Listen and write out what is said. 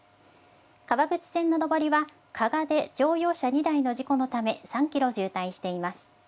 かわぐち線の上りはかがで乗用車２台の事故のため、３キロ渋滞しています。